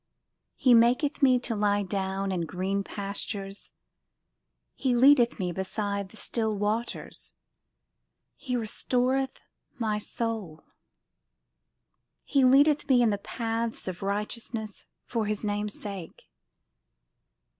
He maketh me to lie down in green pastures: He leadeth me beside the still waters. He restore th my soul: He leadeth me in the paths of righteousness For His name's sake.